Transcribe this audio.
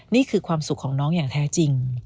นี่คือความสุขของน้องอย่างแท้จริง